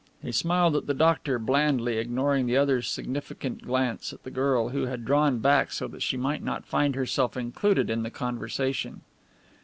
He smiled at the doctor blandly, ignoring the other's significant glance at the girl, who had drawn back so that she might not find herself included in the conversation.